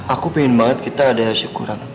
aku pengen banget kita ada syukuran